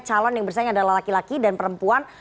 calon yang bersaing adalah laki laki dan perempuan